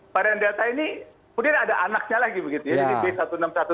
varian delta ini kemudian ada anaknya lagi begitu ya